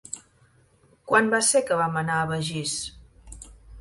Quan va ser que vam anar a Begís?